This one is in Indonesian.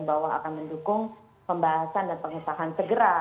bahwa akan mendukung pembahasan dan pengesahan segera